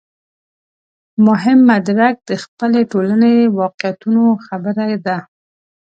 مهم مدرک د خپلې ټولنې واقعیتونو خبره ده.